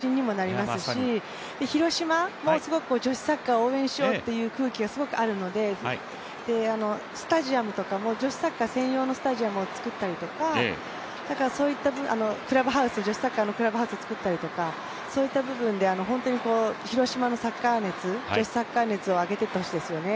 ＷＥリーグでしっかり結果を出して、こうやって代表としてプレーするというのは彼女自身の自信にもなりますし、広島もすごく女子サッカーを応援しようという空気がすごくあるので、スタジアムとかも女子サッカー専用のスタジアムを作ったりとか女子サッカーのクラブハウスを作ったりとかそういった部分で広島のサッカー熱、女子サッカー熱を上げていってほしいですね。